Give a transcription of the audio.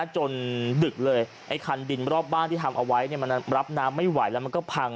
ดึกเลยไอ้คันดินรอบบ้านที่ทำเอาไว้มันรับน้ำไม่ไหวแล้วมันก็พัง